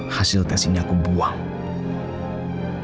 hasil tes ini aku buang